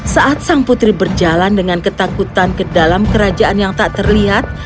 saat sang putri berjalan dengan ketakutan ke dalam kerajaan yang tak terlihat